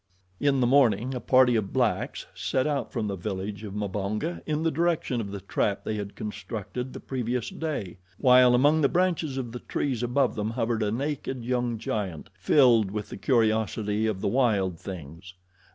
In the morning a party of blacks set out from the village of Mbonga in the direction of the trap they had constructed the previous day, while among the branches of the trees above them hovered a naked young giant filled with the curiosity of the wild things.